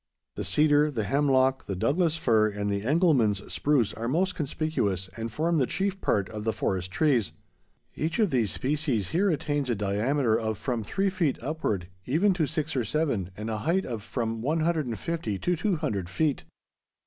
The cedar, the hemlock, the Douglas fir, and the Engelmann's spruce are most conspicuous and form the chief part of the forest trees. Each of these species here attains a diameter of from three feet upward, even to six or seven, and a height of from 150 to 200 feet.